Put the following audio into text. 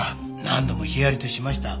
何度もひやりとしました。